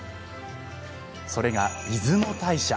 それが、出雲大社。